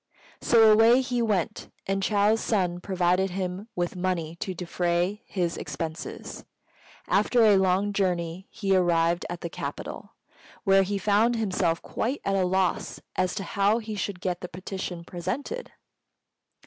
So away he went, and Chou's son provided him with money to defray his expenses. After a long journey he arrived at the capital, where he found himself quite at a loss as to how he should get the petition presented.